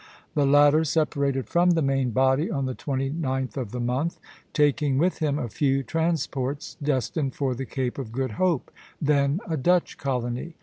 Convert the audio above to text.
The latter separated from the main body on the 29th of the month, taking with him a few transports destined for the Cape of Good Hope, then a Dutch colony.